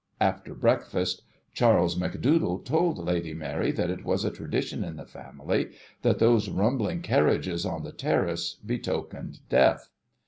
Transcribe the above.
After breakfast, Charles Macdoodle told Lady Mary that it was a tradition in the family that those rumbling carriages on the terrace betokened death.